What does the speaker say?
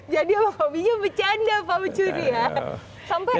jadi pak ucu ini bercanda pak ucu ini ya